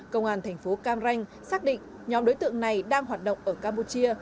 công an thành phố cam ranh xác định nhóm đối tượng này đang hoạt động ở campuchia